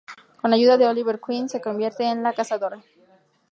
Con la ayuda de Oliver Queen se convierte en "La Cazadora".